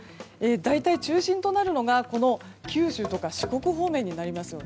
大体中心となるのがこの九州とか四国方面になります。